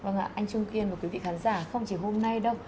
vâng ạ anh trung kiên và quý vị khán giả không chỉ hôm nay đâu